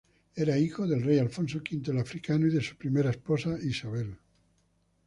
Era hijo del rey Alfonso V el Africano y de su primera esposa, Isabel.